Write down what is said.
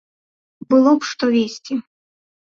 Было б што везці.